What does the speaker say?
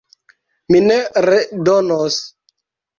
Mi ne redonos!